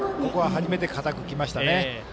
初めてかたくきましたね。